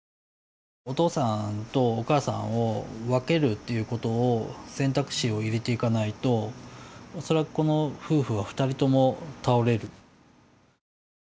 お父さんとお母さんを分けるっていうことを選択肢を入れていかないと恐らくこの夫婦は２人とも倒れる。